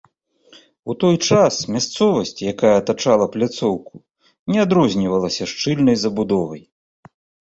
У той час мясцовасць, якая атачала пляцоўку, не адрознівалася шчыльнай забудовай.